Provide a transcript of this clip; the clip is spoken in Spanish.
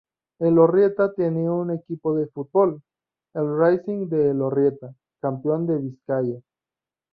Elorrieta tenía un equipo de fútbol, el Racing de Elorrieta, campeón de Vizcaya.